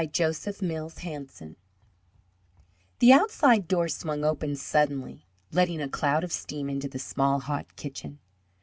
JOSEPH MILLS HANSON The outside door swung open suddenly, letting a cloud of steam into the small, hot kitchen.